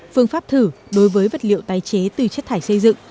phương pháp thử đối với vật liệu tái chế từ chất thải xây dựng